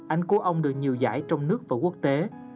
anh của ông được nhiều giải trong nước và quốc tế